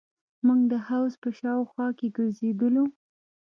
موږ د حوض په شاوخوا کښې ګرځېدلو.